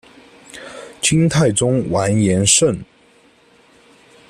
金太宗完颜晟。